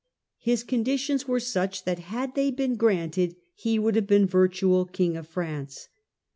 His conditions were such that, had they been granted, he would have been virtual King of France.